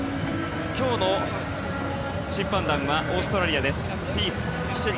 今日の審判団はオーストラリアです。